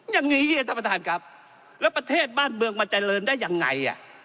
อย่างนี้ท่านประธานครับแล้วประเทศบ้านเมืองมันเจริญได้ยังไง